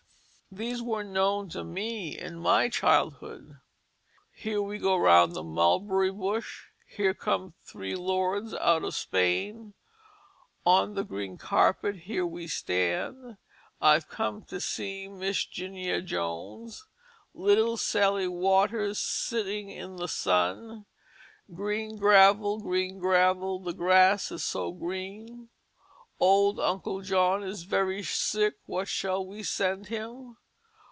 These were known to me in my childhood: "Here we go round the mulberry bush;" "Here come three Lords out of Spain;" "On the green carpet here we stand;" "I've come to see Miss 'Ginia Jones;" "Little Sally Waters, sitting in the sun;" "Green gravel, green gravel, the grass is so green;" "Old Uncle John is very sick, what shall we send him?"